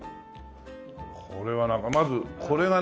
これはなんかまずこれが何か。